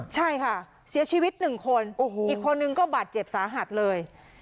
ใช่ค่ะเสียชีวิตหนึ่งคนอีกคนนึงก็บาดเจ็บสาหัสเลย